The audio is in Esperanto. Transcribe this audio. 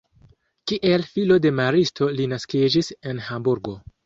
Kiel filo de maristo li naskiĝis en Hamburgo.